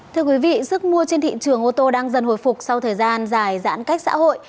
thưa quý vị sức mua trên thị trường ô tô đang dần hồi phục sau thời gian dài giãn cách xã hội